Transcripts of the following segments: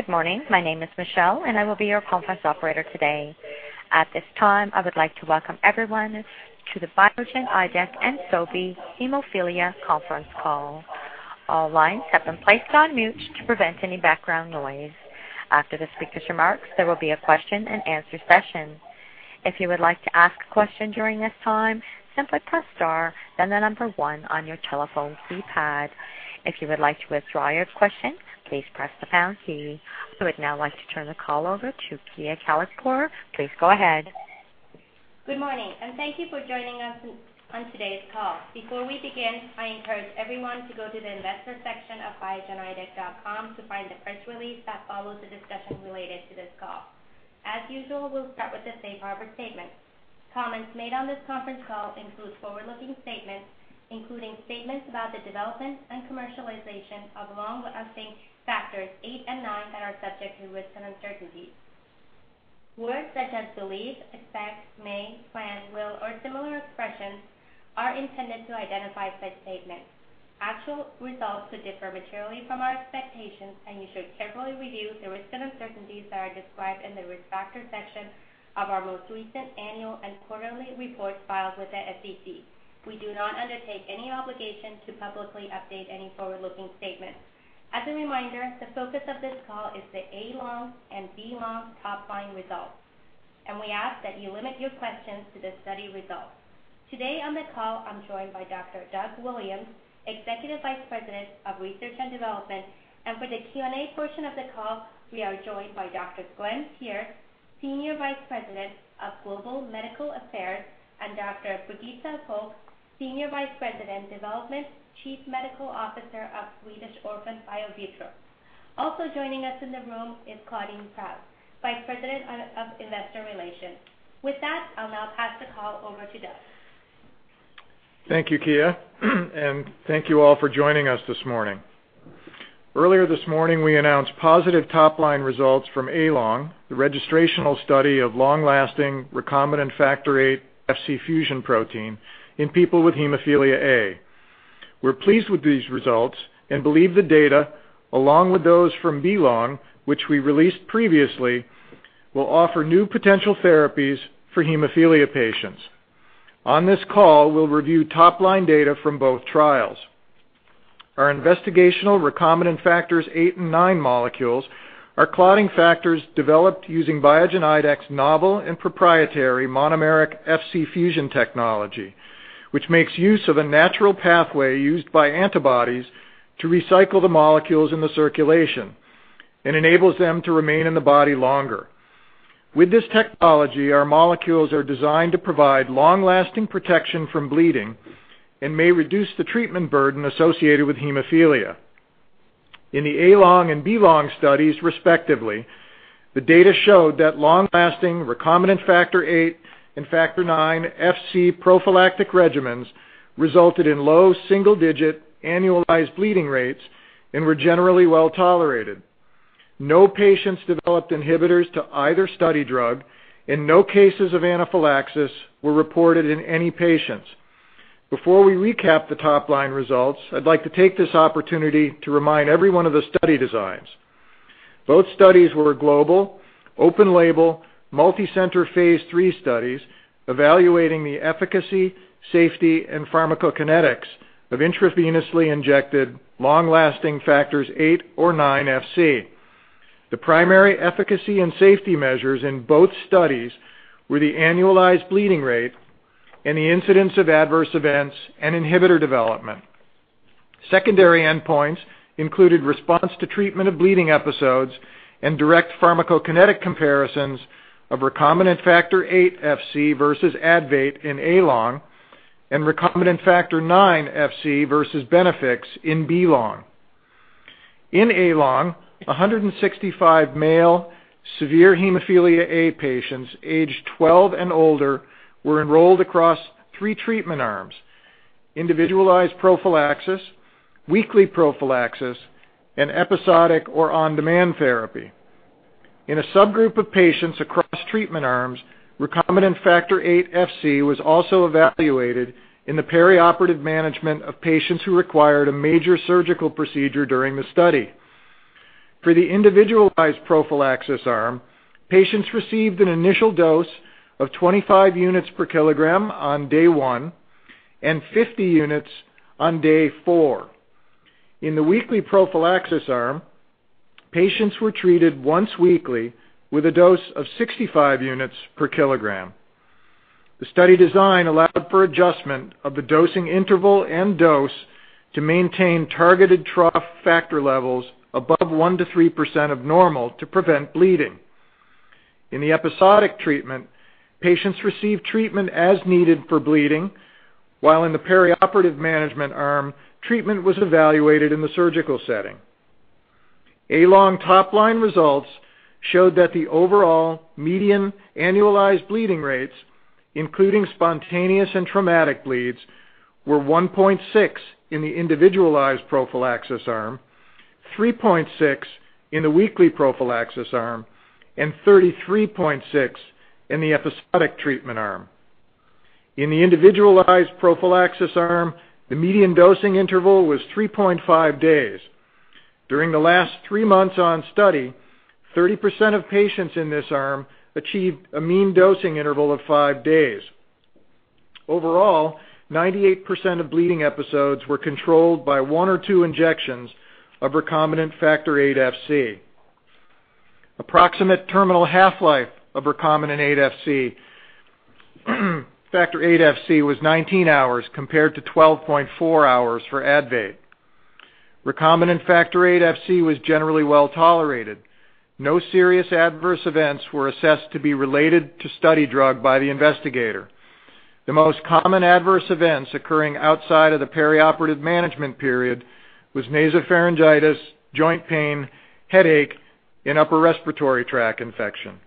Good morning. My name is Michelle, and I will be your conference operator today. At this time, I would like to welcome everyone to the Biogen Idec and Sobi Hemophilia Conference Call. All lines have been placed on mute to prevent any background noise. After the speaker's remarks, there will be a question-and-answer session. If you would like to ask a question during this time, simply press star then the number one on your telephone's keypad. If you would like to withdraw your question, please press the pound key. I would now like to turn the call over to Kia Khaleghpour. Please go ahead. Good morning, and thank you for joining us on today's call. Before we begin, I encourage everyone to go to the investor section of biogenidec.com to find the press release that follows the discussion related to this call. As usual, we'll start with the safe harbor statements. Comments made on this conference call include forward-looking statements, including statements about the development and commercialization of long-acting factors eight and nine that are subject to risk and uncertainty. Words such as believe, expect, may, plan, will, or similar expressions are intended to identify such statements. Actual results could differ materially from our expectations, and you should carefully review the risk and uncertainties that are described in the risk factor section of our most recent annual and quarterly reports filed with the SEC. We do not undertake any obligation to publicly update any forward-looking statements. As a reminder, the focus of this call is the A-LONG and B-LONG top-line results, and we ask that you limit your questions to the study results. Today on the call, I'm joined by Dr. Doug Williams, Executive Vice President of Research and Development, and for the Q&A portion of the call, we are joined by Dr. Glenn Pierce, Senior Vice President of Global Medical Affairs, and Dr. Birgitte Volck, Senior Vice President, Development Chief Medical Officer of Swedish Orphan Biovitrum. Also joining us in the room is Claudine Prow, Vice President of Investor Relations. With that, I'll now pass the call over to Doug. Thank you, Kia, and thank you all for joining us this morning. Earlier this morning, we announced positive top-line results from A-LONG, the registrational study of long-lasting recombinant Factor VIII Fc fusion protein in people with hemophilia A. We're pleased with these results and believe the data, along with those from B-LONG, which we released previously, will offer new potential therapies for hemophilia patients. On this call, we'll review top-line data from both trials. Our investigational recombinant Factor VIII and Factor IX molecules are clotting factors developed using Biogen Idec's novel and proprietary monomeric Fc fusion technology, which makes use of a natural pathway used by antibodies to recycle the molecules in the circulation and enables them to remain in the body longer. With this technology, our molecules are designed to provide long-lasting protection from bleeding and may reduce the treatment burden associated with hemophilia. In the A-LONG and B-LONG studies, respectively, the data showed that long-lasting recombinant Factor VIII Fc and Factor IX Fc prophylactic regimens resulted in low single-digit annualized bleeding rates and were generally well tolerated. No patients developed inhibitors to either study drug, and no cases of anaphylaxis were reported in any patients. Before we recap the top-line results, I'd like to take this opportunity to remind everyone of the study designs. Both studies were global, open-label, multi-center phase 3 studies evaluating the efficacy, safety, and pharmacokinetics of intravenously injected long-lasting Factor VIII or IX Fc. The primary efficacy and safety measures in both studies were the annualized bleeding rate and the incidence of adverse events and inhibitor development. Secondary endpoints included response to treatment of bleeding episodes and direct pharmacokinetic comparisons of recombinant Factor VIII Fc versus ADVATE in A-LONG and recombinant Factor IX Fc versus BENEFIX in B-LONG. In A-LONG, 165 male severe hemophilia A patients aged 12 and older were enrolled across three treatment arms: individualized prophylaxis, weekly prophylaxis, and episodic or on-demand therapy. In a subgroup of patients across treatment arms, recombinant Factor VIII Fc was also evaluated in the perioperative management of patients who required a major surgical procedure during the study. For the individualized prophylaxis arm, patients received an initial dose of 25 units per kilogram on day one and 50 units on day four. In the weekly prophylaxis arm, patients were treated once weekly with a dose of 65 units per kilogram. The study design allowed for adjustment of the dosing interval and dose to maintain targeted trough factor levels above 1%-3% of normal to prevent bleeding. In the episodic treatment, patients received treatment as needed for bleeding, while in the perioperative management arm, treatment was evaluated in the surgical setting. A-LONG top-line results showed that the overall median annualized bleeding rates, including spontaneous and traumatic bleeds, were 1.6 in the individualized prophylaxis arm, 3.6 in the weekly prophylaxis arm, and 33.6 in the episodic treatment arm. In the individualized prophylaxis arm, the median dosing interval was 3.5 days. During the last three months on study, 30% of patients in this arm achieved a mean dosing interval of five days. Overall, 98% of bleeding episodes were controlled by one or two injections of Recombinant Factor VIII Fc. Approximate terminal half-life of Recombinant Factor VIII Fc was 19 hours compared to 12.4 hours for ADVATE. Recombinant Factor VIII Fc was generally well tolerated. No serious adverse events were assessed to be related to study drug by the investigator. The most common adverse events occurring outside of the perioperative management period were nasopharyngitis, joint pain, headache, and upper respiratory tract infection.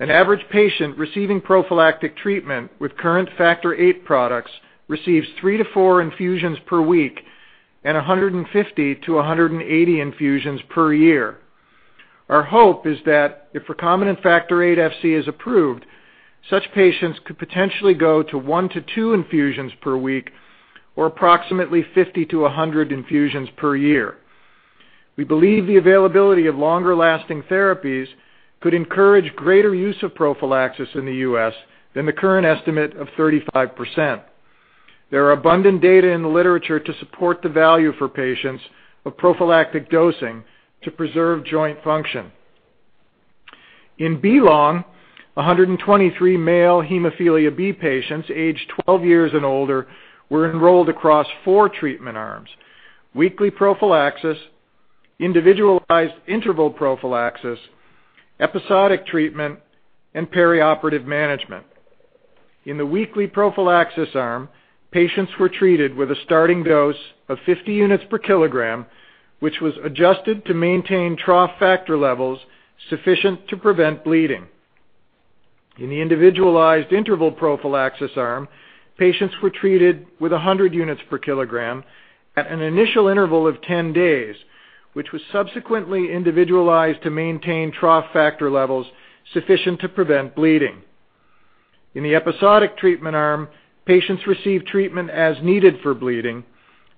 An average patient receiving prophylactic treatment with current Factor VIII products receives three to four infusions per week and 150 to 180 infusions per year. Our hope is that if recombinant Factor VIII Fc is approved, such patients could potentially go to one to two infusions per week or approximately 50 to 100 infusions per year. We believe the availability of longer-lasting therapies could encourage greater use of prophylaxis in the U.S. than the current estimate of 35%. There are abundant data in the literature to support the value for patients of prophylactic dosing to preserve joint function. In B-LONG, 123 male hemophilia B patients aged 12 years and older were enrolled across four treatment arms: weekly prophylaxis, individualized interval prophylaxis, episodic treatment, and perioperative management. In the weekly prophylaxis arm, patients were treated with a starting dose of 50 units per kilogram, which was adjusted to maintain trough factor levels sufficient to prevent bleeding. In the individualized interval prophylaxis arm, patients were treated with 100 units per kilogram at an initial interval of 10 days, which was subsequently individualized to maintain trough factor levels sufficient to prevent bleeding. In the episodic treatment arm, patients received treatment as needed for bleeding,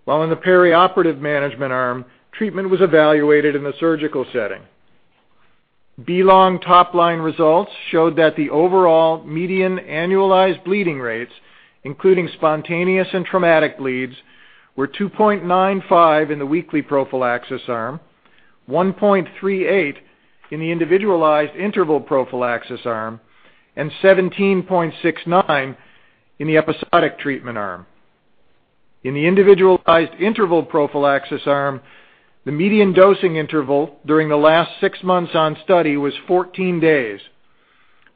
while in the perioperative management arm, treatment was evaluated in the surgical setting. B-LONG top-line results showed that the overall median annualized bleeding rates, including spontaneous and traumatic bleeds, were 2.95 in the weekly prophylaxis arm, 1.38 in the individualized interval prophylaxis arm, and 17.69 in the episodic treatment arm. In the individualized interval prophylaxis arm, the median dosing interval during the last six months on study was 14 days.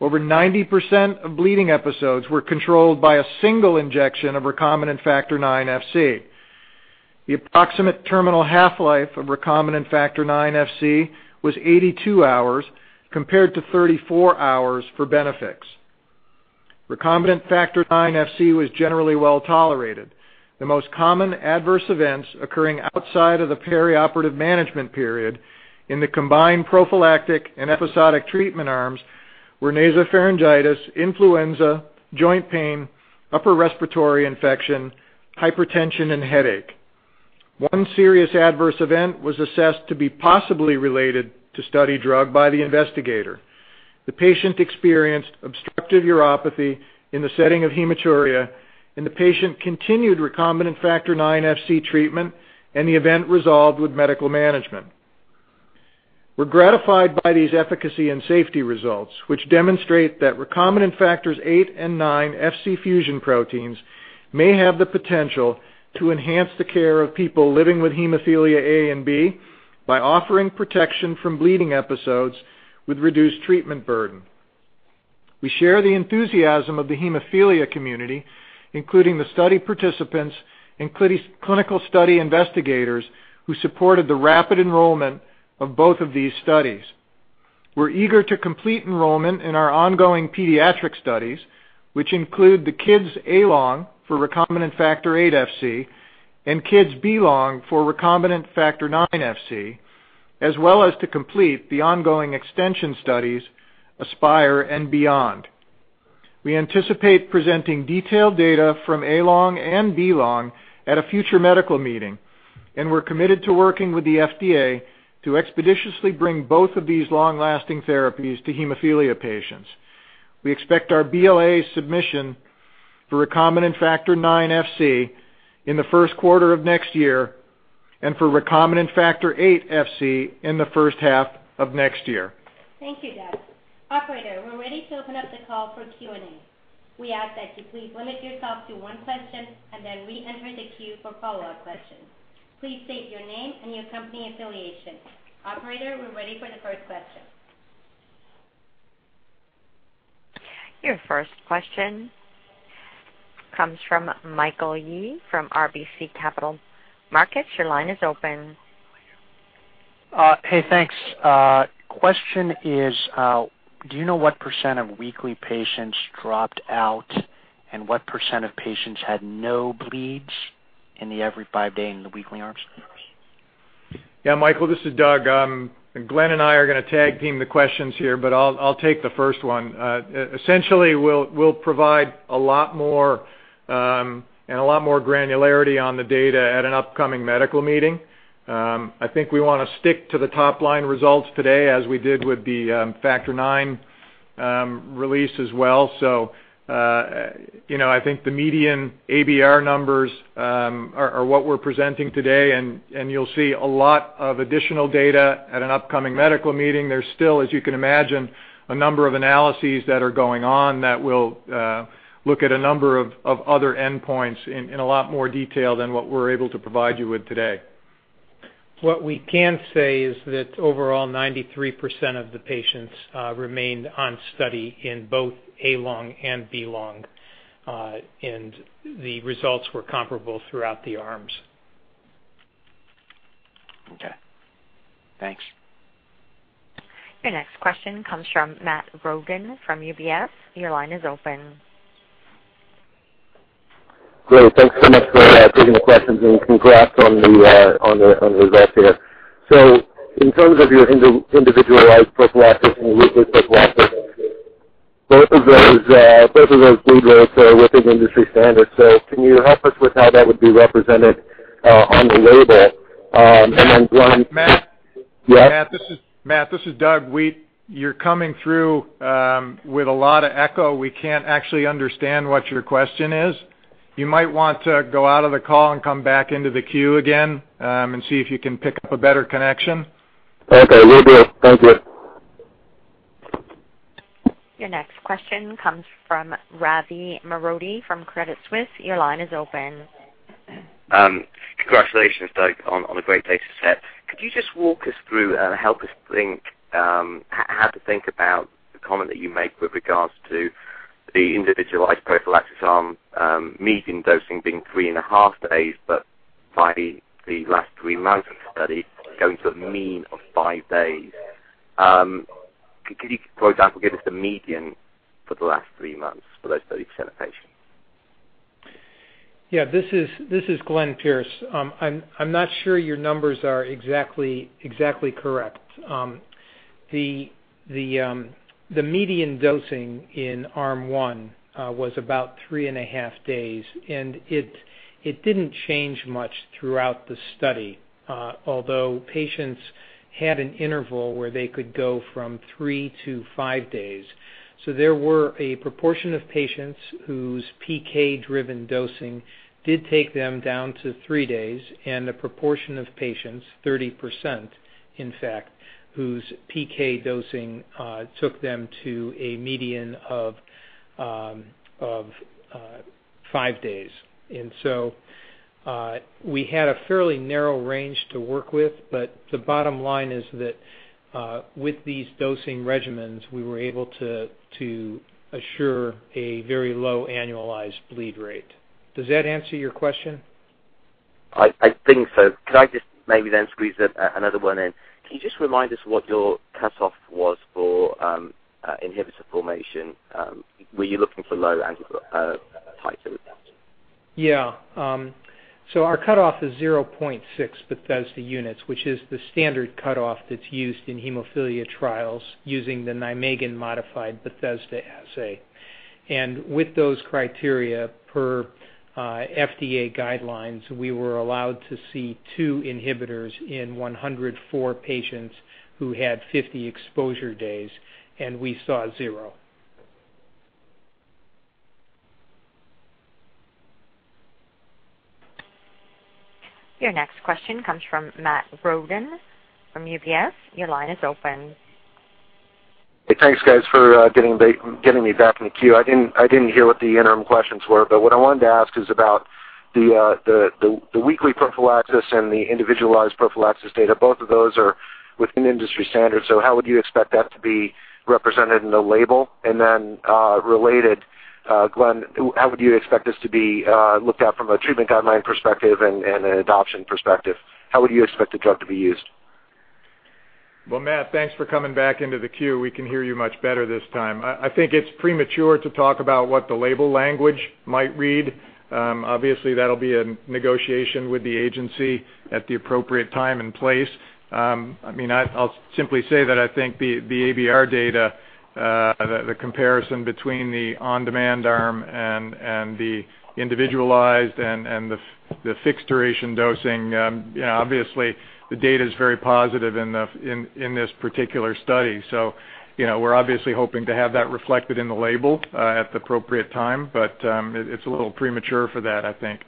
Over 90% of bleeding episodes were controlled by a single injection of recombinant Factor IX Fc. The approximate terminal half-life of recombinant Factor IX Fc was 82 hours compared to 34 hours for BENEFIX. Recombinant Factor IX Fc was generally well tolerated. The most common adverse events occurring outside of the perioperative management period in the combined prophylactic and episodic treatment arms were nasopharyngitis, influenza, joint pain, upper respiratory infection, hypertension, and headache. One serious adverse event was assessed to be possibly related to study drug by the investigator. The patient experienced obstructive uropathy in the setting of hematuria, and the patient continued recombinant Factor IX Fc treatment, and the event resolved with medical management. We're gratified by these efficacy and safety results, which demonstrate that recombinant Factor VIII and Factor IX Fc fusion proteins may have the potential to enhance the care of people living with Hemophilia A and B by offering protection from bleeding episodes with reduced treatment burden. We share the enthusiasm of the hemophilia community, including the study participants and clinical study investigators who supported the rapid enrollment of both of these studies. We're eager to complete enrollment in our ongoing pediatric studies, which include the Kids A-LONG for recombinant Factor VIII Fc and Kids B-LONG for recombinant Factor IX Fc, as well as to complete the ongoing extension studies, ASPIRE and B-YOND. We anticipate presenting detailed data from A-LONG and B-LONG at a future medical meeting, and we're committed to working with the FDA to expeditiously bring both of these long-lasting therapies to hemophilia patients. We expect our BLA submission for Recombinant Factor IX Fc in the first quarter of next year and for Recombinant Factor VIII Fc in the first half of next year. Thank you, Doug. Operator, we're ready to open up the call for Q&A. We ask that you please limit yourself to one question and then re-enter the queue for follow-up questions. Please state your name and your company affiliation. Operator, we're ready for the first question. Your first question comes from Michael Yee from RBC Capital Markets. Your line is open. Hey, thanks. Question is, do you know what % of weekly patients dropped out and what % of patients had no bleeds in the every five-day and the weekly arms? Yeah, Michael, this is Doug. Glenn and I are going to tag team the questions here, but I'll take the first one. Essentially, we'll provide a lot more and a lot more granularity on the data at an upcoming medical meeting. I think we want to stick to the top-line results today as we did with the factor IX release as well. So I think the median ABR numbers are what we're presenting today, and you'll see a lot of additional data at an upcoming medical meeting. There's still, as you can imagine, a number of analyses that are going on that will look at a number of other endpoints in a lot more detail than what we're able to provide you with today. What we can say is that overall, 93% of the patients remained on study in both A-LONG and B-LONG, and the results were comparable throughout the arms. Okay. Thanks. Your next question comes from Matt Roden from UBS. Your line is open. Great. Thanks so much for taking the questions and congrats on the results here. So in terms of your individualized prophylaxis and weekly prophylaxis, both of those bleed rates are within industry standards. So can you help us with how that would be represented on the label? And then, Glenn. Matt, this is Doug Williams. You're coming through with a lot of echo. We can't actually understand what your question is. You might want to go out of the call and come back into the queue again and see if you can pick up a better connection. Okay. Will do. Thank you. Your next question comes from Ravi Mehrotra from Credit Suisse. Your line is open. Congratulations, Doug, on a great dataset. Could you just walk us through and help us think how to think about the comment that you make with regards to the individualized prophylaxis arm, median dosing being three and a half days, but by the last three months of study, going to a mean of five days? Could you, for example, give us the median for the last three months for those 30% of patients? Yeah, this is Glenn Pierce. I'm not sure your numbers are exactly correct. The median dosing in arm one was about three and a half days, and it didn't change much throughout the study, although patients had an interval where they could go from three to five days. So there were a proportion of patients whose PK-driven dosing did take them down to three days, and a proportion of patients, 30% in fact, whose PK dosing took them to a median of five days. And so we had a fairly narrow range to work with, but the bottom line is that with these dosing regimens, we were able to assure a very low annualized bleed rate. Does that answer your question? I think so. Could I just maybe then squeeze another one in? Can you just remind us what your cutoff was for inhibitor formation? Were you looking for low-titer? Yeah. So our cutoff is 0.6 Bethesda units, which is the standard cutoff that's used in hemophilia trials using the Nijmegen-modified Bethesda assay. And with those criteria, per FDA guidelines, we were allowed to see two inhibitors in 104 patients who had 50 exposure days, and we saw zero. Your next question comes from Matt Roden from UBS. Your line is open. Hey, thanks, guys, for getting me back in the queue. I didn't hear what the interim questions were, but what I wanted to ask is about the weekly prophylaxis and the individualized prophylaxis data. Both of those are within industry standards. So how would you expect that to be represented in the label? And then related, Glenn, how would you expect this to be looked at from a treatment guideline perspective and an adoption perspective? How would you expect the drug to be used? Matt, thanks for coming back into the queue. We can hear you much better this time. I think it's premature to talk about what the label language might read. Obviously, that'll be a negotiation with the agency at the appropriate time and place. I mean, I'll simply say that I think the ABR data, the comparison between the on-demand arm and the individualized and the fixed duration dosing, obviously, the data is very positive in this particular study. So we're obviously hoping to have that reflected in the label at the appropriate time, but it's a little premature for that, I think.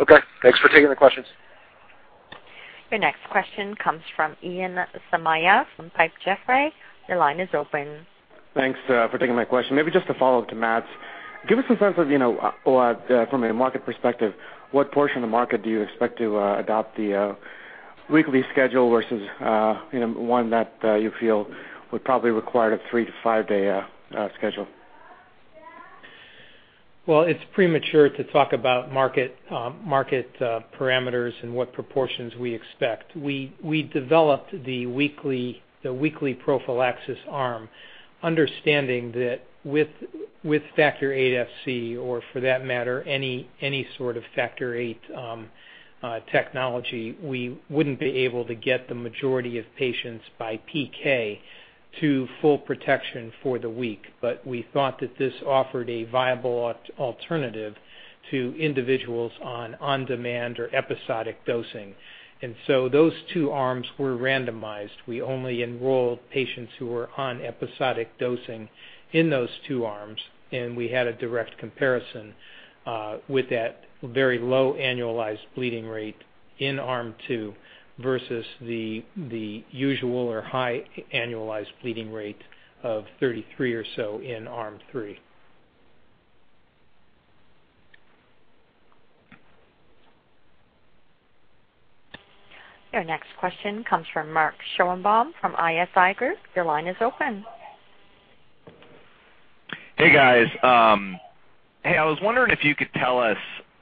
Okay. Thanks for taking the questions. Your next question comes from Ian Somaiya from Piper Jaffray. Your line is open. Thanks for taking my question. Maybe just a follow-up to Matt's. Give us a sense of, from a market perspective, what portion of the market do you expect to adopt the weekly schedule versus one that you feel would probably require a three to five-day schedule? It's premature to talk about market parameters and what proportions we expect. We developed the weekly prophylaxis arm, understanding that with Factor VIII Fc, or for that matter, any sort of Factor VIII technology, we wouldn't be able to get the majority of patients by PK to full protection for the week. We thought that this offered a viable alternative to individuals on on-demand or episodic dosing. So those two arms were randomized. We only enrolled patients who were on episodic dosing in those two arms, and we had a direct comparison with that very low annualized bleeding rate in arm two versus the usual or high annualized bleeding rate of 33 or so in arm three. Your next question comes from Mark Schoenebaum from ISI Group. Your line is open. Hey, guys. Hey, I was wondering if you could tell us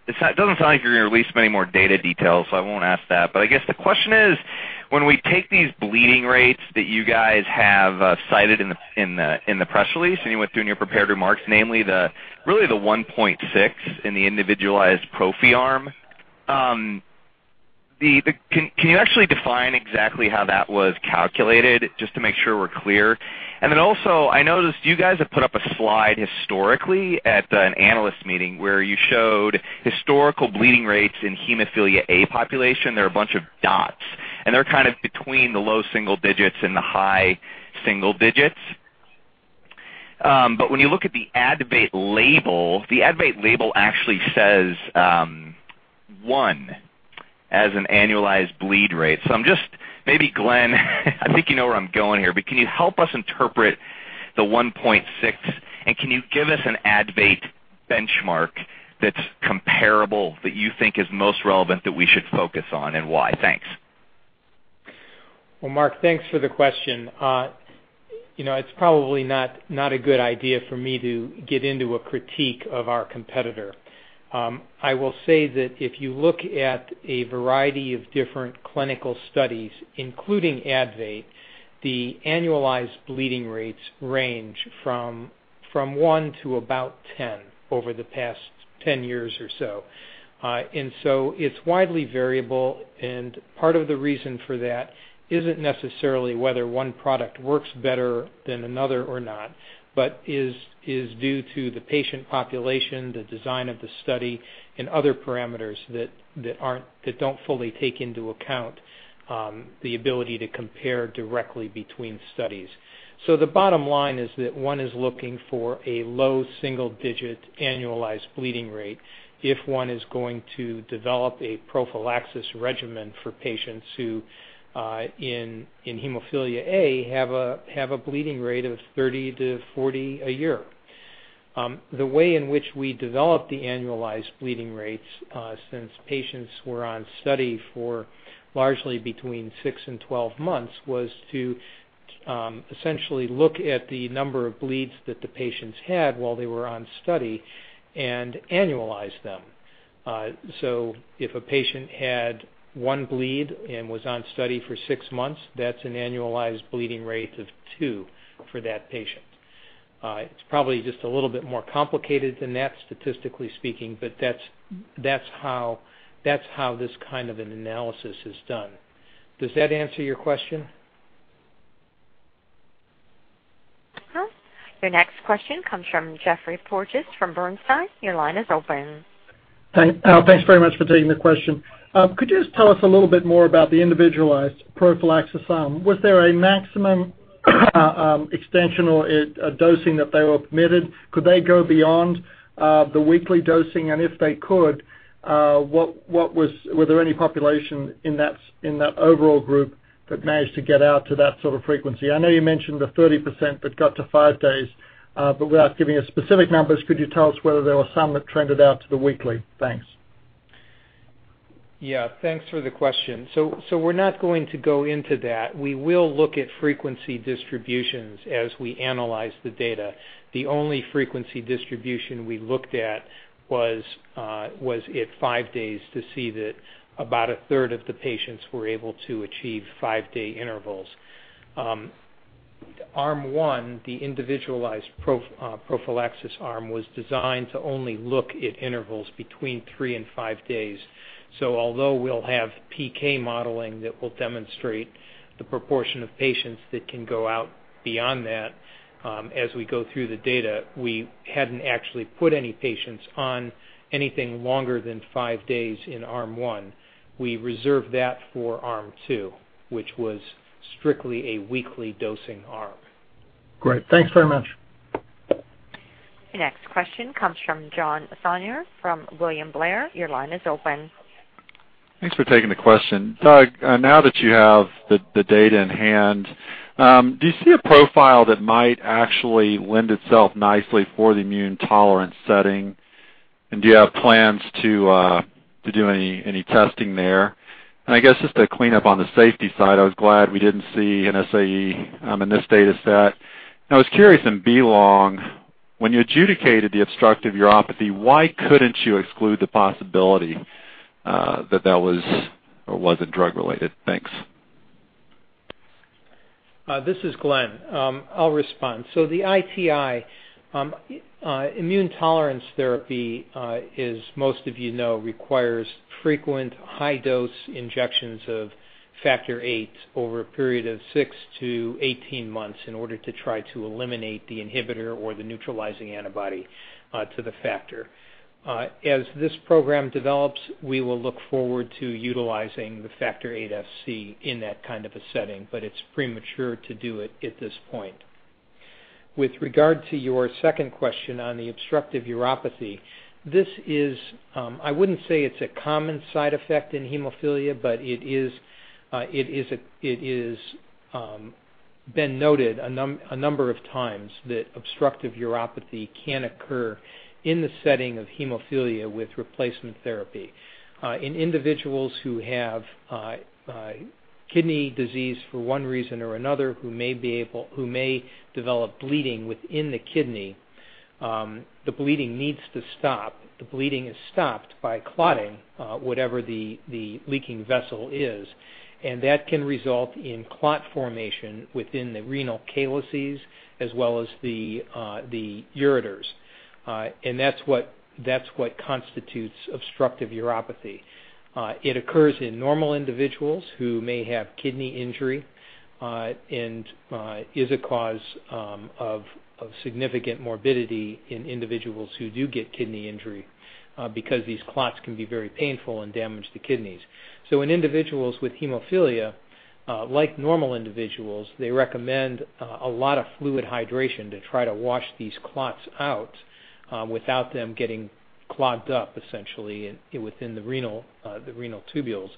it doesn't sound like you're going to release many more data details, so I won't ask that. But I guess the question is, when we take these bleeding rates that you guys have cited in the press release, and you went through in your prepared remarks, namely really the 1.6 in the individualized prophylaxis arm, can you actually define exactly how that was calculated, just to make sure we're clear? And then also, I noticed you guys had put up a slide historically at an analyst meeting where you showed historical bleeding rates in hemophilia A population. There are a bunch of dots, and they're kind of between the low single digits and the high single digits. But when you look at the ADVATE label, the ADVATE label actually says one as an annualized bleed rate. So maybe, Glenn, I think you know where I'm going here, but can you help us interpret the 1.6? And can you give us an ADVATE benchmark that's comparable that you think is most relevant that we should focus on and why? Thanks. Well, Mark, thanks for the question. It's probably not a good idea for me to get into a critique of our competitor. I will say that if you look at a variety of different clinical studies, including ADVATE, the annualized bleeding rates range from one to about 10 over the past 10 years or so. And so it's widely variable. And part of the reason for that isn't necessarily whether one product works better than another or not, but is due to the patient population, the design of the study, and other parameters that don't fully take into account the ability to compare directly between studies. So the bottom line is that one is looking for a low single-digit annualized bleeding rate if one is going to develop a prophylaxis regimen for patients who, in hemophilia A, have a bleeding rate of 30 to 40 a year. The way in which we developed the annualized bleeding rates since patients were on study for largely between six and 12 months was to essentially look at the number of bleeds that the patients had while they were on study and annualize them. So if a patient had one bleed and was on study for six months, that's an annualized bleeding rate of two for that patient. It's probably just a little bit more complicated than that, statistically speaking, but that's how this kind of an analysis is done. Does that answer your question? Your next question comes from Geoffrey Porges from Bernstein. Your line is open. Thanks very much for taking the question. Could you just tell us a little bit more about the individualized prophylaxis arm? Was there a maximum extension or dosing that they were permitted? Could they go beyond the weekly dosing? And if they could, were there any population in that overall group that managed to get out to that sort of frequency? I know you mentioned the 30% that got to five days, but without giving us specific numbers, could you tell us whether there were some that trended out to the weekly? Thanks. Yeah. Thanks for the question. So we're not going to go into that. We will look at frequency distributions as we analyze the data. The only frequency distribution we looked at was at five days to see that about a third of the patients were able to achieve five-day intervals. Arm one, the individualized prophylaxis arm, was designed to only look at intervals between three and five days. So although we'll have PK modeling that will demonstrate the proportion of patients that can go out beyond that as we go through the data, we hadn't actually put any patients on anything longer than five days in Arm one. We reserved that for Arm two, which was strictly a weekly dosing arm. Great. Thanks very much. Your next question comes from John Sonnier from William Blair. Your line is open. Thanks for taking the question. Doug, now that you have the data in hand, do you see a profile that might actually lend itself nicely for the immune tolerance setting? And do you have plans to do any testing there? And I guess just to clean up on the safety side, I was glad we didn't see an SAE in this data set. I was curious, in B-LONG, when you adjudicated the obstructive uropathy, why couldn't you exclude the possibility that that was or wasn't drug-related? Thanks. This is Glenn. I'll respond. So the ITI, immune tolerance therapy, as most of you know, requires frequent high-dose injections of Factor VIII over a period of six to 18 months in order to try to eliminate the inhibitor or the neutralizing antibody to the factor. As this program develops, we will look forward to utilizing the Factor VIII Fc in that kind of a setting, but it's premature to do it at this point. With regard to your second question on the obstructive uropathy, this is. I wouldn't say it's a common side effect in hemophilia, but it has been noted a number of times that obstructive uropathy can occur in the setting of hemophilia with replacement therapy. In individuals who have kidney disease for one reason or another, who may develop bleeding within the kidney, the bleeding needs to stop. The bleeding is stopped by clotting whatever the leaking vessel is, and that can result in clot formation within the renal calyces as well as the ureters, and that's what constitutes obstructive uropathy. It occurs in normal individuals who may have kidney injury and is a cause of significant morbidity in individuals who do get kidney injury because these clots can be very painful and damage the kidneys, so in individuals with hemophilia, like normal individuals, they recommend a lot of fluid hydration to try to wash these clots out without them getting clogged up, essentially, within the renal tubules,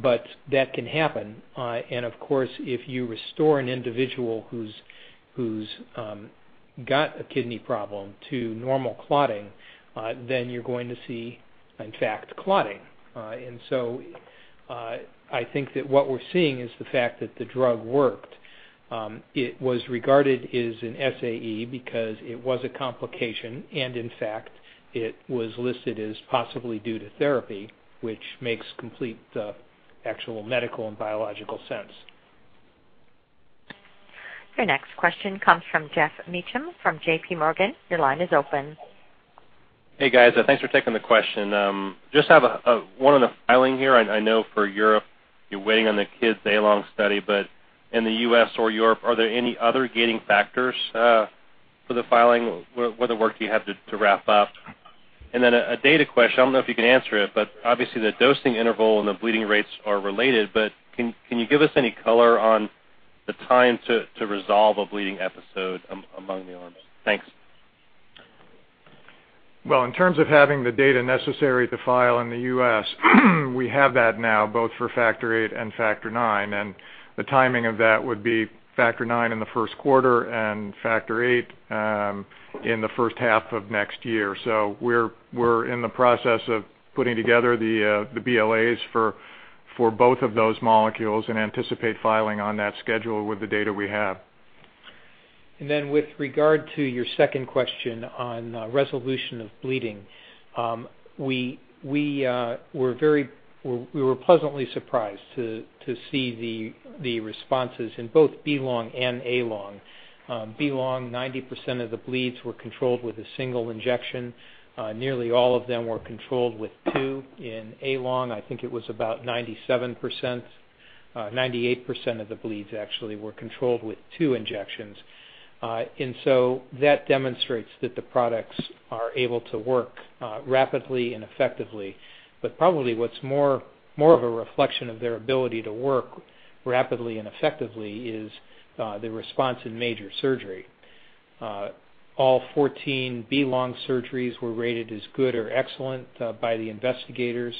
but that can happen, and of course, if you restore an individual who's got a kidney problem to normal clotting, then you're going to see, in fact, clotting, and so I think that what we're seeing is the fact that the drug worked. It was regarded as an SAE because it was a complication, and in fact, it was listed as possibly due to therapy, which makes complete actual medical and biological sense. Your next question comes from Geoff Meacham from J.P. Morgan. Your line is open. Hey, guys. Thanks for taking the question. Just have one on the filing here. I know for Europe, you're waiting on the Kids A-LONG study, but in the US or Europe, are there any other gating factors for the filing? What other work do you have to wrap up? And then a data question. I don't know if you can answer it, but obviously, the dosing interval and the bleeding rates are related, but can you give us any color on the time to resolve a bleeding episode among the arms? Thanks. In terms of having the data necessary to file in the U.S., we have that now, both for factor VIII and factor IX. And the timing of that would be factor IX in the first quarter and factor VIII in the first half of next year. So we're in the process of putting together the BLAs for both of those molecules and anticipate filing on that schedule with the data we have. With regard to your second question on resolution of bleeding, we were pleasantly surprised to see the responses in both B-LONG and A-LONG. B-LONG, 90% of the bleeds were controlled with a single injection. Nearly all of them were controlled with two. In A-LONG, I think it was about 97%, 98% of the bleeds actually were controlled with two injections. And so that demonstrates that the products are able to work rapidly and effectively. But probably what's more of a reflection of their ability to work rapidly and effectively is the response in major surgery. All 14 B-LONG surgeries were rated as good or excellent by the investigators,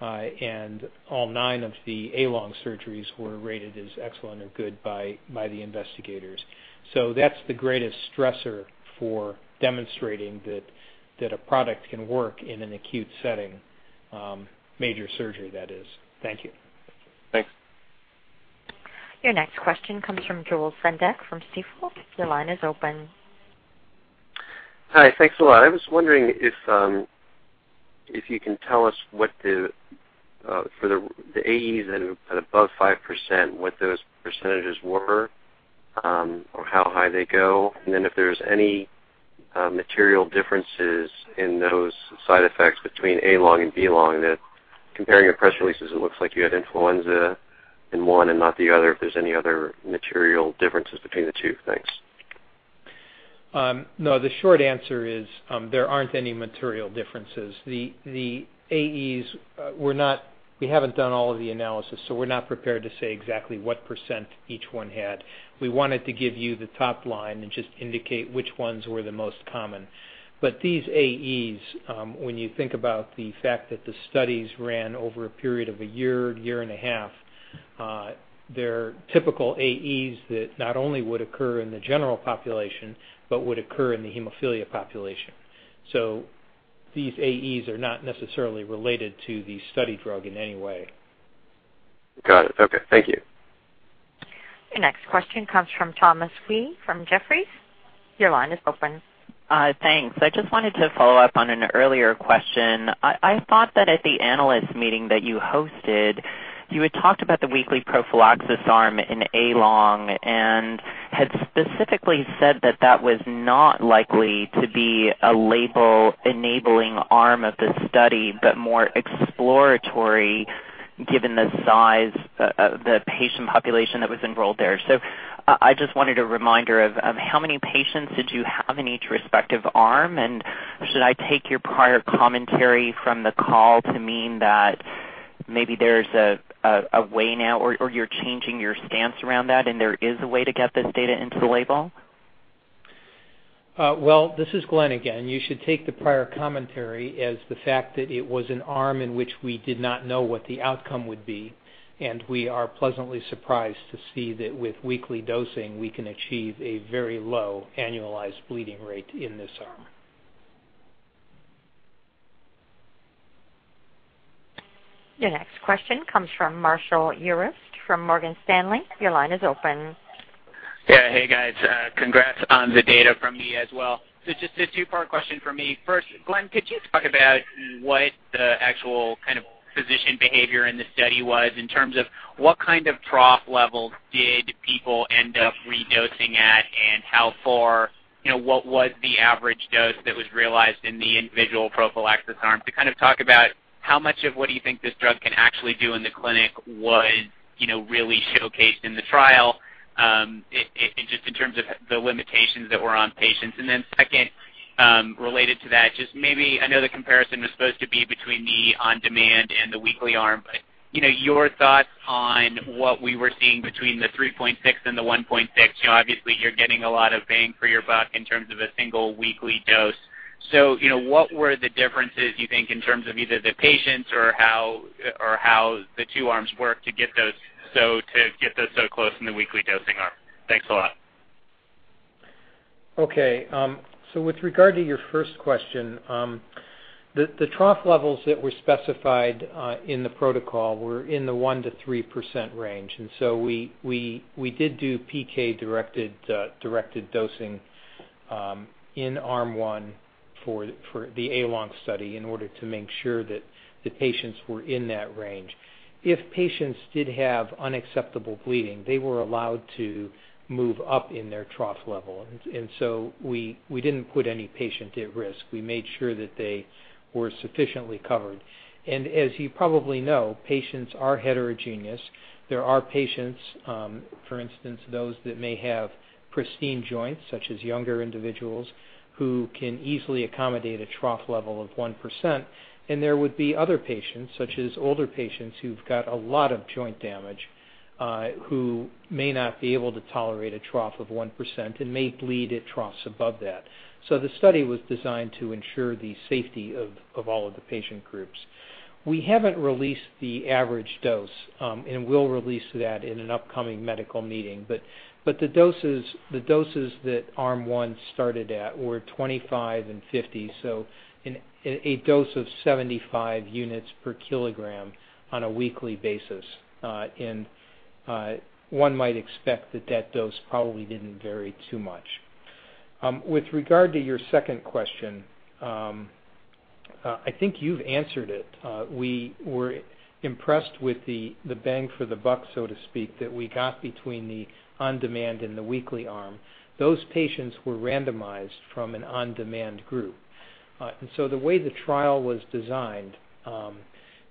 and all nine of the A-LONG surgeries were rated as excellent or good by the investigators. So that's the greatest stressor for demonstrating that a product can work in an acute setting, major surgery, that is. Thank you. Thanks. Your next question comes from Joel Sendek from Stifel. Your line is open. Hi. Thanks a lot. I was wondering if you can tell us what, for the AEs that are above 5%, what those percentages were or how high they go, and then if there's any material differences in those side effects between A-LONG and B-LONG that, comparing your press releases, it looks like you had influenza in one and not the other. If there's any other material differences between the two. Thanks. No. The short answer is there aren't any material differences. The AEs, we haven't done all of the analysis, so we're not prepared to say exactly what percent each one had. We wanted to give you the top line and just indicate which ones were the most common. But these AEs, when you think about the fact that the studies ran over a period of a year, year and a half, they're typical AEs that not only would occur in the general population but would occur in the hemophilia population. So these AEs are not necessarily related to the study drug in any way. Got it. Okay. Thank you. Your next question comes from Thomas Wei from Jefferies. Your line is open. Thanks. I just wanted to follow up on an earlier question. I thought that at the analyst meeting that you hosted, you had talked about the weekly prophylaxis arm in A-LONG and had specifically said that that was not likely to be a label-enabling arm of the study but more exploratory given the size of the patient population that was enrolled there. So I just wanted a reminder of how many patients did you have in each respective arm? And should I take your prior commentary from the call to mean that maybe there's a way now or you're changing your stance around that and there is a way to get this data into the label? This is Glenn again. You should take the prior commentary as the fact that it was an arm in which we did not know what the outcome would be. We are pleasantly surprised to see that with weekly dosing, we can achieve a very low annualized bleeding rate in this arm. Your next question comes from Marshall Urist from Morgan Stanley. Your line is open. Yeah. Hey, guys. Congrats on the data from me as well. So just a two-part question from me. First, Glenn, could you talk about what the actual kind of physician behavior in the study was in terms of what kind of trough level did people end up redosing at and how far what was the average dose that was realized in the individual prophylaxis arm? To kind of talk about how much of what do you think this drug can actually do in the clinic was really showcased in the trial just in terms of the limitations that were on patients. And then second, related to that, just maybe I know the comparison was supposed to be between the on-demand and the weekly arm, but your thoughts on what we were seeing between the 3.6 and the 1.6. Obviously, you're getting a lot of bang for your buck in terms of a single weekly dose. So what were the differences, you think, in terms of either the patients or how the two arms worked to get those so close in the weekly dosing arm? Thanks a lot. Okay. So with regard to your first question, the trough levels that were specified in the protocol were in the 1%-3% range. And so we did do PK-directed dosing in arm one for the A-LONG study in order to make sure that the patients were in that range. If patients did have unacceptable bleeding, they were allowed to move up in their trough level. And so we didn't put any patient at risk. We made sure that they were sufficiently covered. And as you probably know, patients are heterogeneous. There are patients, for instance, those that may have pristine joints, such as younger individuals, who can easily accommodate a trough level of 1%. There would be other patients, such as older patients who've got a lot of joint damage, who may not be able to tolerate a trough of 1% and may bleed at troughs above that. The study was designed to ensure the safety of all of the patient groups. We haven't released the average dose, and we'll release that in an upcoming medical meeting. The doses that arm one started at were 25 and 50, so a dose of 75 units per kilogram on a weekly basis. One might expect that that dose probably didn't vary too much. With regard to your second question, I think you've answered it. We were impressed with the bang for the buck, so to speak, that we got between the on-demand and the weekly arm. Those patients were randomized from an on-demand group. And so the way the trial was designed,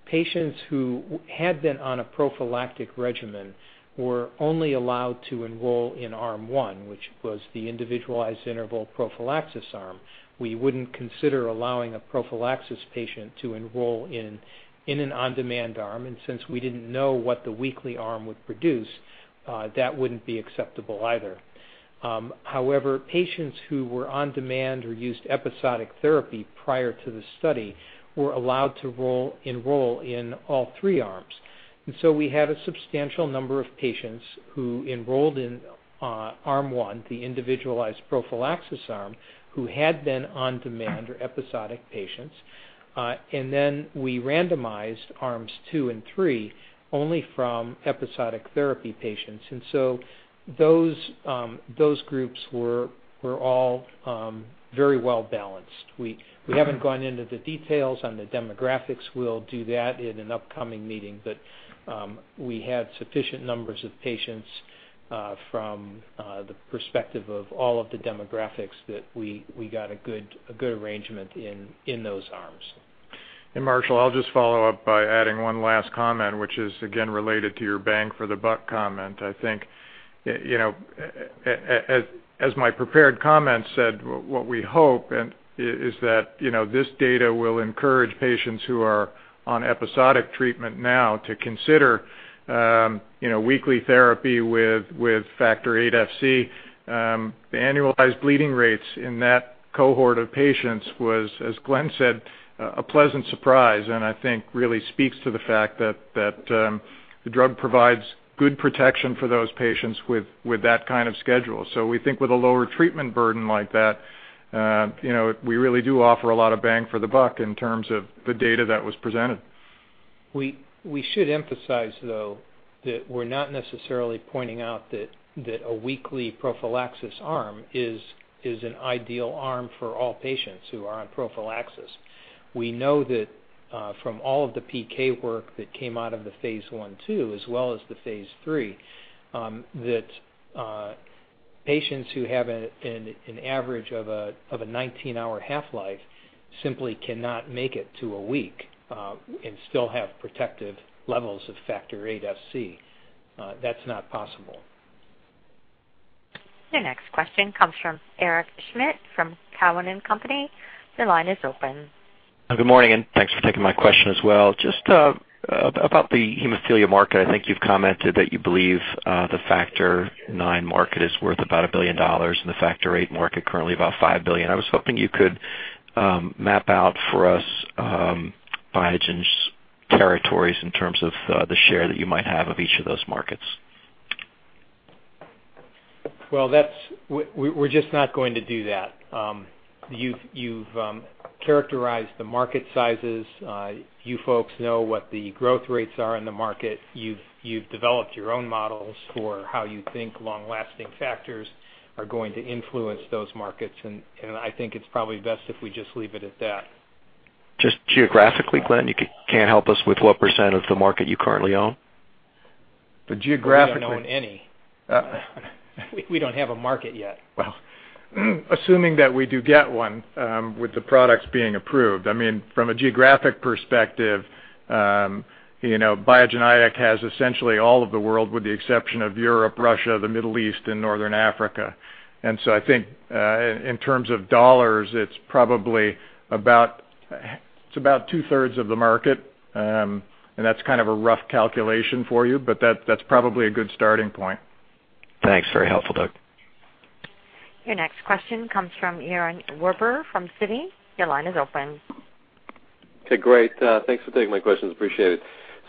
patients who had been on a prophylactic regimen were only allowed to enroll in arm one, which was the individualized interval prophylaxis arm. We wouldn't consider allowing a prophylaxis patient to enroll in an on-demand arm. And since we didn't know what the weekly arm would produce, that wouldn't be acceptable either. However, patients who were on-demand or used episodic therapy prior to the study were allowed to enroll in all three arms. And so we had a substantial number of patients who enrolled in arm one, the individualized prophylaxis arm, who had been on-demand or episodic patients. And then we randomized arms two and three only from episodic therapy patients. And so those groups were all very well balanced. We haven't gone into the details on the demographics. We'll do that in an upcoming meeting. But we had sufficient numbers of patients from the perspective of all of the demographics that we got a good arrangement in those arms. And Marshall, I'll just follow up by adding one last comment, which is, again, related to your bang for the buck comment. I think, as my prepared comment said, what we hope is that this data will encourage patients who are on episodic treatment now to consider weekly therapy with Factor VIII Fc. The annualized bleeding rates in that cohort of patients was, as Glenn said, a pleasant surprise. And I think really speaks to the fact that the drug provides good protection for those patients with that kind of schedule. So we think with a lower treatment burden like that, we really do offer a lot of bang for the buck in terms of the data that was presented. We should emphasize, though, that we're not necessarily pointing out that a weekly prophylaxis arm is an ideal arm for all patients who are on prophylaxis. We know that from all of the PK work that came out of the phase one, two, as well as the phase three, that patients who have an average of a 19-hour half-life simply cannot make it to a week and still have protective levels of Factor VIII Fc. That's not possible. Your next question comes from Eric Schmidt from Cowen and Company. Your line is open. Good morning, and thanks for taking my question as well. Just about the hemophilia market, I think you've commented that you believe the factor IX market is worth about $1 billion and the factor VIII market currently about $5 billion. I was hoping you could map out for us Biogen's territories in terms of the share that you might have of each of those markets. We're just not going to do that. You've characterized the market sizes. You folks know what the growth rates are in the market. You've developed your own models for how you think long-lasting factors are going to influence those markets. And I think it's probably best if we just leave it at that. Just geographically, Glenn, you can't help us with what % of the market you currently own? We don't own any. We don't have a market yet. Assuming that we do get one with the products being approved. I mean, from a geographic perspective, Biogen Idec has essentially all of the world with the exception of Europe, Russia, the Middle East, and Northern Africa. I think in terms of dollars, it's probably about two-thirds of the market. That's kind of a rough calculation for you, but that's probably a good starting point. Thanks. Very helpful, Doug. Your next question comes from Yaron Werber from Citi. Your line is open. Okay. Great. Thanks for taking my questions. Appreciate it.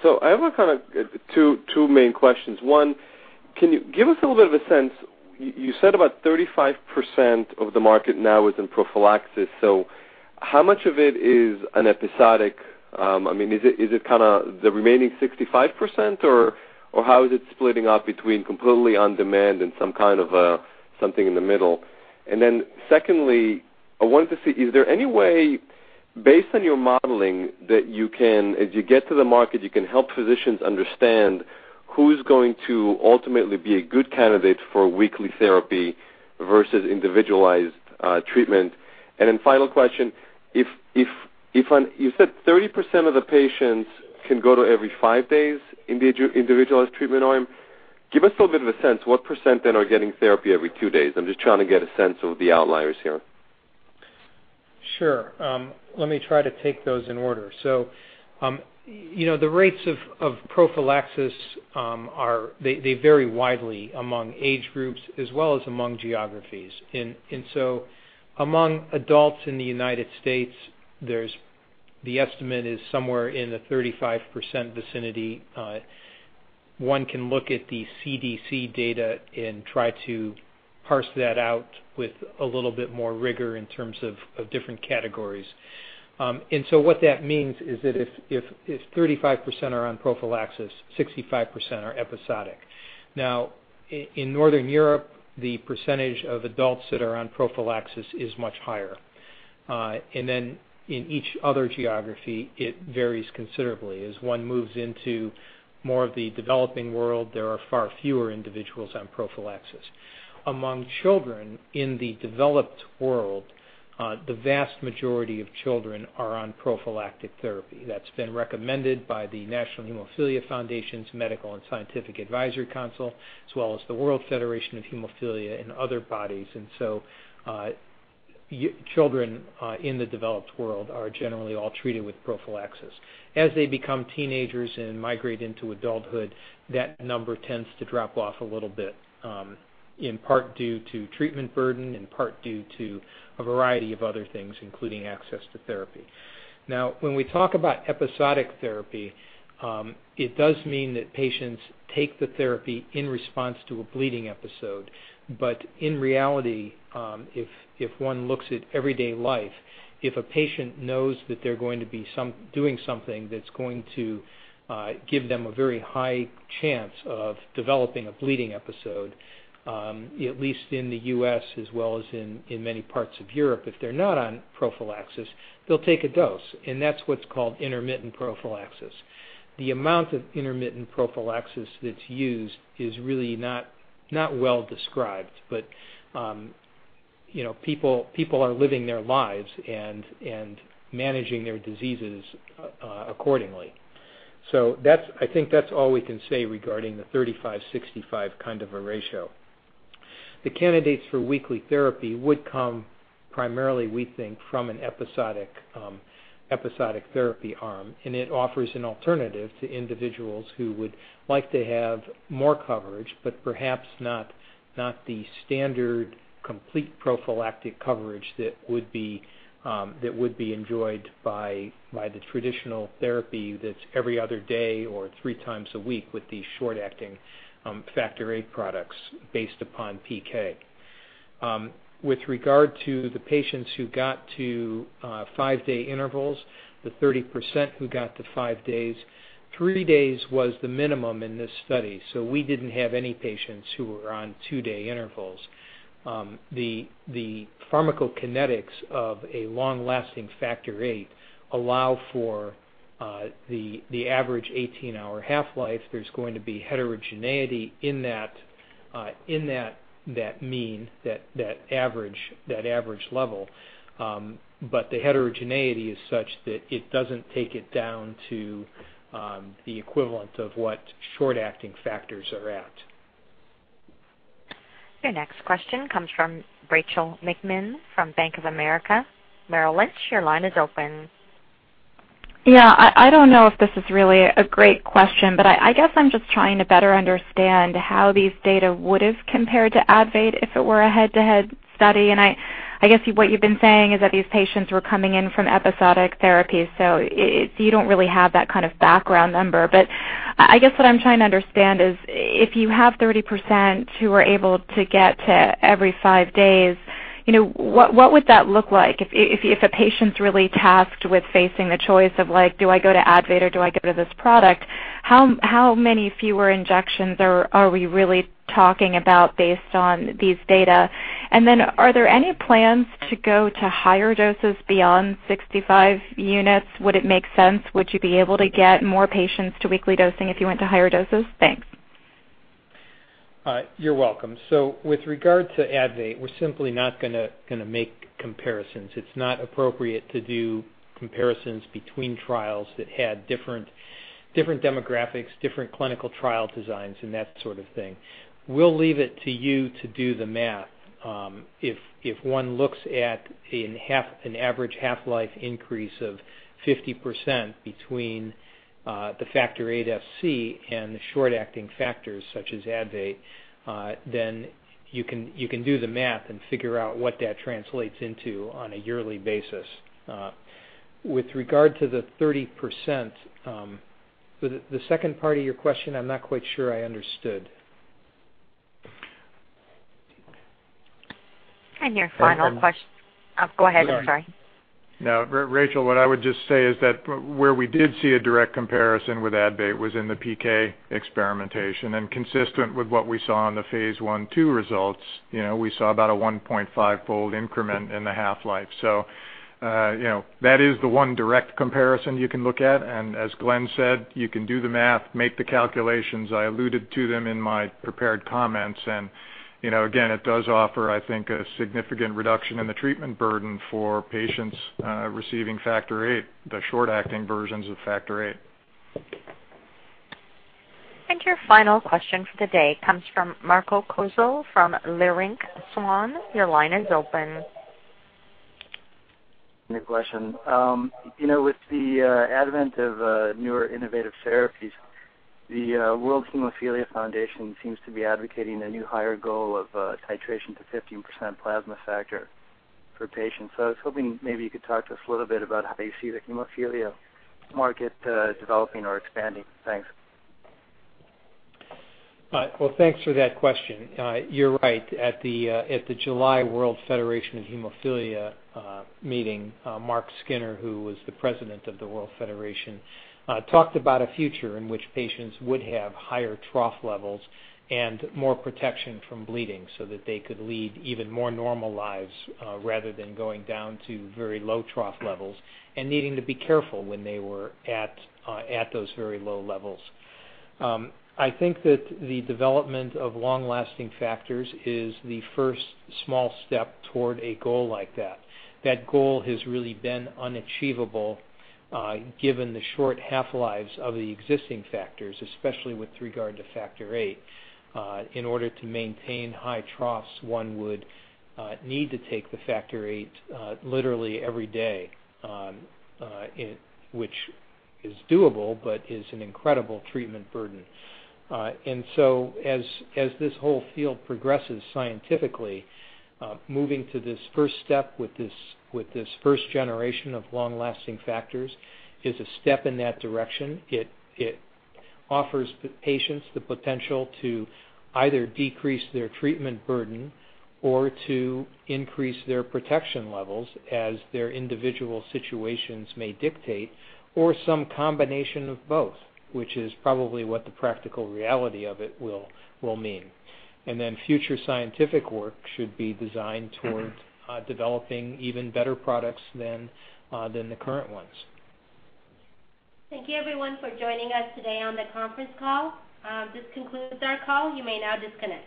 So I have kind of two main questions. One, can you give us a little bit of a sense? You said about 35% of the market now is in prophylaxis. So how much of it is an episodic? I mean, is it kind of the remaining 65%, or how is it splitting up between completely on-demand and some kind of something in the middle? And then secondly, I wanted to see, is there any way, based on your modeling, that you can, as you get to the market, you can help physicians understand who's going to ultimately be a good candidate for weekly therapy versus individualized treatment? And then final question, you said 30% of the patients can go to every five days in the individualized treatment arm. Give us a little bit of a sense. What % then are getting therapy every two days? I'm just trying to get a sense of the outliers here. Sure. Let me try to take those in order. So the rates of prophylaxis, they vary widely among age groups as well as among geographies. And so among adults in the United States, the estimate is somewhere in the 35% vicinity. One can look at the CDC data and try to parse that out with a little bit more rigor in terms of different categories. And so what that means is that if 35% are on prophylaxis, 65% are episodic. Now, in Northern Europe, the percentage of adults that are on prophylaxis is much higher. And then in each other geography, it varies considerably. As one moves into more of the developing world, there are far fewer individuals on prophylaxis. Among children in the developed world, the vast majority of children are on prophylactic therapy. That's been recommended by the National Hemophilia Foundation's Medical and Scientific Advisory Council, as well as the World Federation of Hemophilia and other bodies. And so children in the developed world are generally all treated with prophylaxis. As they become teenagers and migrate into adulthood, that number tends to drop off a little bit, in part due to treatment burden, in part due to a variety of other things, including access to therapy. Now, when we talk about episodic therapy, it does mean that patients take the therapy in response to a bleeding episode. But in reality, if one looks at everyday life, if a patient knows that they're going to be doing something that's going to give them a very high chance of developing a bleeding episode, at least in the U.S. as well as in many parts of Europe, if they're not on prophylaxis, they'll take a dose. And that's what's called intermittent prophylaxis. The amount of intermittent prophylaxis that's used is really not well described. But people are living their lives and managing their diseases accordingly. So I think that's all we can say regarding the 35/65 kind of a ratio. The candidates for weekly therapy would come primarily, we think, from an episodic therapy arm. And it offers an alternative to individuals who would like to have more coverage, but perhaps not the standard complete prophylactic coverage that would be enjoyed by the traditional therapy that's every other day or three times a week with these short-acting Factor VIII products based upon PK. With regard to the patients who got to five-day intervals, the 30% who got to five days, three days was the minimum in this study. So we didn't have any patients who were on two-day intervals. The pharmacokinetics of a long-lasting factor VIII allow for the average 18-hour half-life. There's going to be heterogeneity in that mean, that average level. But the heterogeneity is such that it doesn't take it down to the equivalent of what short-acting factors are at. Your next question comes from Rachel McMinn from Bank of America Merrill Lynch, your line is open. Yeah. I don't know if this is really a great question, but I guess I'm just trying to better understand how these data would have compared to ADVATE if it were a head-to-head study, and I guess what you've been saying is that these patients were coming in from episodic therapy, so you don't really have that kind of background number, but I guess what I'm trying to understand is if you have 30% who are able to get to every five days, what would that look like if a patient's really tasked with facing the choice of, "Do I go to ADVATE or do I go to this product?" How many fewer injections are we really talking about based on these data? And then are there any plans to go to higher doses beyond 65 units? Would it make sense? Would you be able to get more patients to weekly dosing if you went to higher doses? Thanks. You're welcome. So with regard to ADVATE, we're simply not going to make comparisons. It's not appropriate to do comparisons between trials that had different demographics, different clinical trial designs, and that sort of thing. We'll leave it to you to do the math. If one looks at an average half-life increase of 50% between the Factor VIII Fc and the short-acting factors such as ADVATE, then you can do the math and figure out what that translates into on a yearly basis. With regard to the 30%, the second part of your question, I'm not quite sure I understood. Your final question. Go ahead. I'm sorry. No. Rachel, what I would just say is that where we did see a direct comparison with ADVATE was in the PK extension. And consistent with what we saw in the phase one, two results, we saw about a 1.5-fold increment in the half-life. That is the one direct comparison you can look at. As Glenn said, you can do the math, make the calculations. I alluded to them in my prepared comments. Again, it does offer, I think, a significant reduction in the treatment burden for patients receiving factor VIII, the short-acting versions of factor VIII. Your final question for the day comes from Marko Kozul from Leerink Swann. Your line is open. New question. With the advent of newer innovative therapies, the World Federation of Hemophilia seems to be advocating a new higher goal of titration to 15% plasma factor for patients. So I was hoping maybe you could talk to us a little bit about how you see the hemophilia market developing or expanding. Thanks. Thanks for that question. You're right. At the July World Federation of Hemophilia meeting, Mark Skinner, who was the president of the World Federation, talked about a future in which patients would have higher trough levels and more protection from bleeding so that they could lead even more normal lives rather than going down to very low trough levels and needing to be careful when they were at those very low levels. I think that the development of long-lasting factors is the first small step toward a goal like that. That goal has really been unachievable given the short half-lives of the existing factors, especially with regard to factor VIII. In order to maintain high troughs, one would need to take the factor VIII literally every day, which is doable but is an incredible treatment burden. And so as this whole field progresses scientifically, moving to this first step with this first generation of long-lasting factors is a step in that direction. It offers patients the potential to either decrease their treatment burden or to increase their protection levels as their individual situations may dictate, or some combination of both, which is probably what the practical reality of it will mean. And then future scientific work should be designed toward developing even better products than the current ones. Thank you, everyone, for joining us today on the conference call. This concludes our call. You may now disconnect.